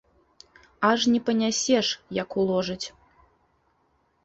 Аж не панясеш, як уложаць!